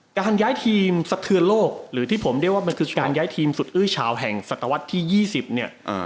การย้ายทีมสะเทือนโลกหรือที่ผมเรียกว่ามันคือการย้ายทีมสุดอื้อชาวแห่งศตวรรษที่๒๐เนี่ย